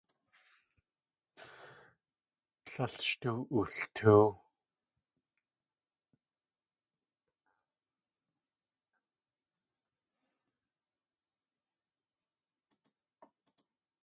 Tlél sh tóo ooltóow.